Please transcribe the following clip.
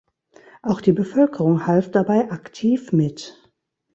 Auch die Bevölkerung half dabei aktiv mit.